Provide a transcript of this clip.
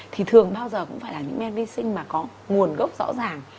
thì thường bao giờ cũng phải là những men vi sinh mà có nguồn gốc rõ ràng